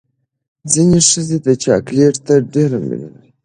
ځینې ښځې چاکلیټ ته ډېره مینه لري.